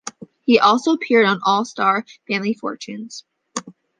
He also appeared on "All Star Family Fortunes".